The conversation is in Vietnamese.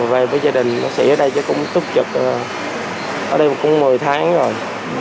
về với gia đình bác sĩ ở đây cũng tốt chật ở đây cũng một mươi tháng rồi